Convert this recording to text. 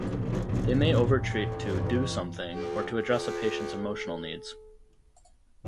They may overtreat to "do something" or to address a patient's emotional needs.